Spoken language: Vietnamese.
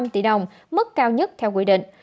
năm tỷ đồng mức cao nhất theo quy định